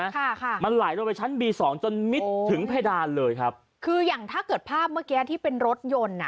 ค่ะค่ะมันไหลลงไปชั้นบีสองจนมิดถึงเพดานเลยครับคืออย่างถ้าเกิดภาพเมื่อกี้ที่เป็นรถยนต์อ่ะ